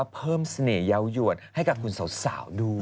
เพิ่มเสน่ห์เยาหยวดให้กับผู้หญิงสาวดู